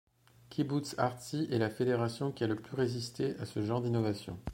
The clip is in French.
Kibboutz Artzi est la fédération qui a le plus résisté à ce genre d'innovations.